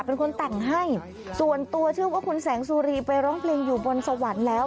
เป็นคนแต่งให้ส่วนตัวเชื่อว่าคุณแสงสุรีไปร้องเพลงอยู่บนสวรรค์แล้ว